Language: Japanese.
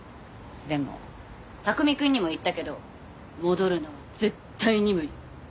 でも拓海くんにも言ったけど戻るのは絶対に無理。